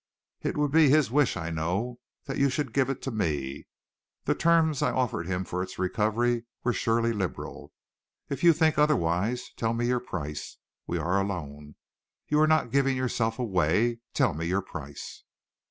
It would be his wish, I know, that you should give it to me. The terms I offered him for its recovery were surely liberal. If you think otherwise, tell me your price. We are alone. You are not giving yourself away. Tell me your price!"